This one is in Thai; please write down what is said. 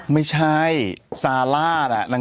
ไม่ใช่สาร้าอะ